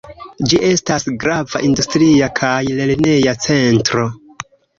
Ĝi estas grava industria kaj lerneja centro.